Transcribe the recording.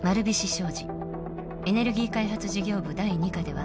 商事エネルギー開発事業部第２課では